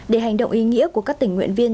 để hành động ý nghĩa của các tình nguyện viên